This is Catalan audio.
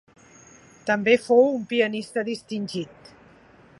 També fou un pianista distingit.